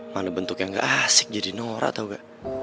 mana bentuk yang gak asik jadi norak tau gak